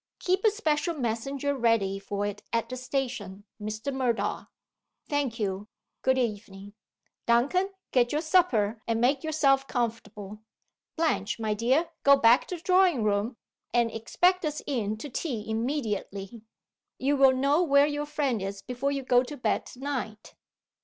Keep a special messenger ready for it at the station, Mr. Murdoch. Thank you; good evening. Duncan, get your supper, and make yourself comfortable. Blanche, my dear, go back to the drawing room, and expect us in to tea immediately. You will know where your friend is before you go to bed to night."